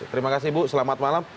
terima kasih ibu selamat malam